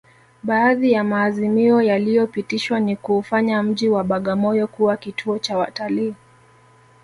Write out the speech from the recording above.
Baadhi ya maazimio yaliyopitishwa ni kuufanya mji wa Bagamoyo kuwa kituo cha watalii